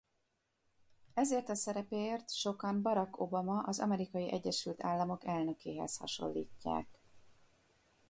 Ezért a szerepéért sokan Barack Obama az Amerikai Egyesült Államok elnökéhez hasonlítják.